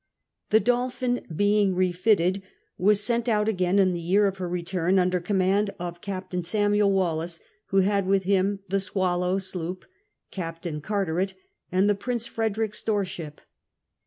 The Dolphin, being refitted, was sent out again in the year of her return, under command of Captain Samuel Wallis, who had with him the Swallow sloop. Captain Carteret, and the Prince Frederich store ship.